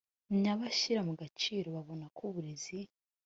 mya bashyira mu gaciro babona ko uburezi